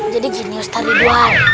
jadi gini ustadz ibu